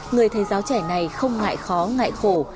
người thầy giáo trẻ này không ngại khó ngại khổ